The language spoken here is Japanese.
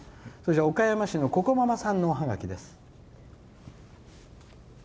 岡山市の、ここままさんのおはがきです。